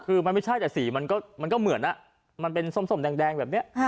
คือมันไม่ใช่แต่สีมันก็เหมือนมันเป็นส้มแดงแบบนี้